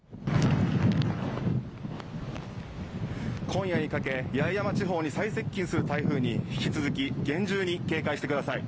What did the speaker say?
今夜にかけ八重山地方に最接近する台風に引き続き厳重に警戒してください。